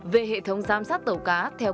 về hệ thống giám sát tàu cá theo